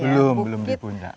belum belum di puncak